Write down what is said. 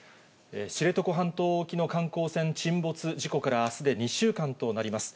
知床半島沖の観光船沈没事故から、あすで２週間となります。